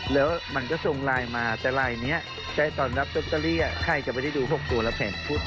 แล้วมันก็ทรงไลน์มาแต่ไลน์เนี้ยใช้ตอนรับอ่ะใครจะไปได้ดูหกตัวแล้วแผ่นพูด